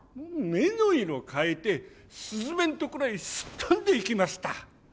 目の色変えてすずめのところへすっ飛んでいきました。